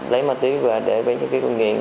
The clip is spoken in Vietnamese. lấy ma túy và để bên trong cái công nghiệp